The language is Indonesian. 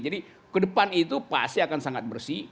jadi kedepan itu pasti akan sangat bersih